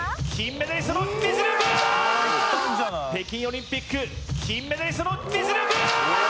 北京オリンピック金メダリストの実力！